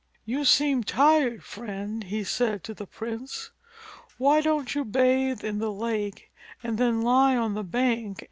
"You seem tired, Friend," he said to the prince. "Why don't you bathe in the lake and then lie on the bank and rest?"